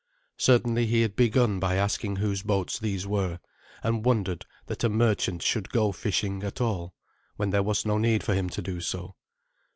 Certainly he had begun by asking whose boats these were, and wondered that a merchant should go fishing at all, when there was no need for him to do so.